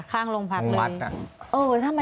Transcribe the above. ข้างโรงพักเลย